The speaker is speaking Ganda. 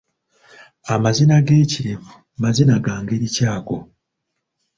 Amazina g’ekirevu mazina ga ngeri ki ago?